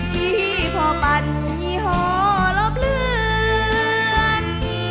ที่พ่อปัญห์หรอบเลือน